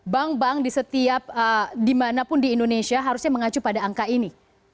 bank bank di setiap dimanapun di indonesia harusnya mengacu pada angka ini